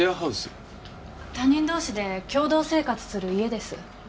他人同士で共同生活する家です。